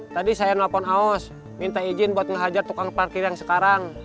tadi saya nelfon aos minta izin buat menghajar tukang parkir yang sekarang